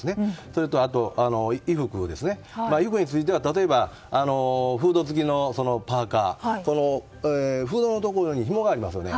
それと衣服については例えばフード付きのパーカフードのところにひもがありますよね。